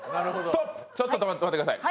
ちょっと止めてください。